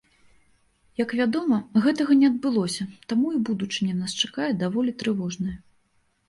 Як вядома, гэтага не адбылося, таму і будучыня нас чакае даволі трывожная.